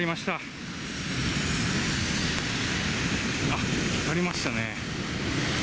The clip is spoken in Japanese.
あっ、光りましたね。